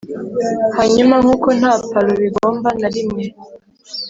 hanyuma, nkuko nta palo bigomba na rimwe,